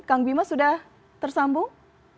kang bima sudah tersambung